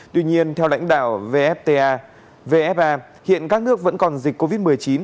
tuy nhiên theo lãnh đạo vfta vfa hiện các nước vẫn còn dịch covid một mươi chín